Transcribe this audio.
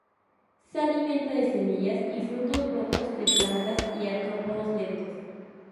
Se alimenta de semillas y frutos, brotes de plantas y artrópodos lentos.